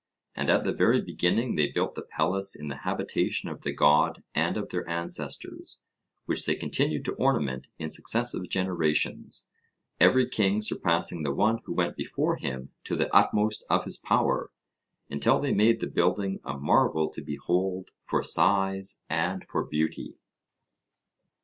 And at the very beginning they built the palace in the habitation of the god and of their ancestors, which they continued to ornament in successive generations, every king surpassing the one who went before him to the utmost of his power, until they made the building a marvel to behold for size and for beauty.